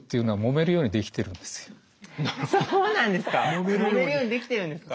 そうなんですか？